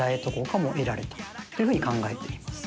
ていうふうに考えています。